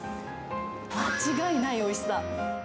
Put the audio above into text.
間違いないおいしさ。